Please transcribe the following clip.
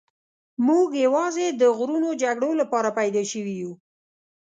موږ یوازې د غرونو جګړو لپاره پیدا شوي یو.